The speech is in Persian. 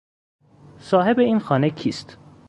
صاحب این خانه کیست؟